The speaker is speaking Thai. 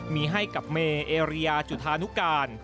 มีให้กับเมเอเรียจุธานุการ